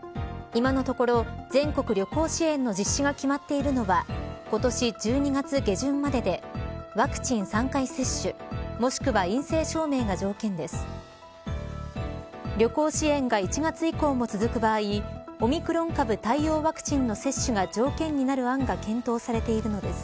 今のところ、全国旅行支援の実施が決まっているのは今年１２月下旬まででワクチン３回接種もしくは陰性証明が条件です。